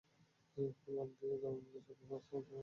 Command দেয়ার মত স্বাভাবিক অবস্থা তোমার মাঝে এখনও হয়নি।